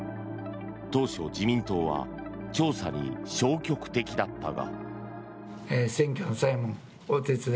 当初、自民党は調査に消極的だったが。